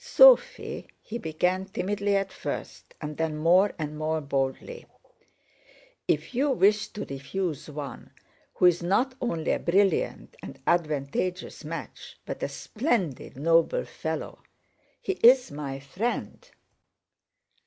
"Sophie," he began, timidly at first and then more and more boldly, "if you wish to refuse one who is not only a brilliant and advantageous match but a splendid, noble fellow... he is my friend..."